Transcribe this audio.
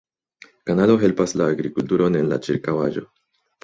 Kanalo helpas la agrikulturon en la ĉirkaŭaĵo.